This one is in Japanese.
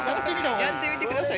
やってみてください